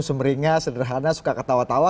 sumringah sederhana suka ketawa tawa